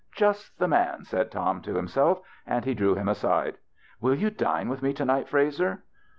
"Just the man," said Tom to himself, and he drew him aside. "Will you dine with me to night, Frazer